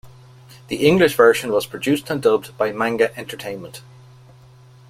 The English version was produced and dubbed by Manga Entertainment.